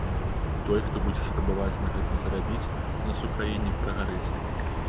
Той, хто будзе спрабаваць на гэтым зарабіць у нас у краіне, прагарыць.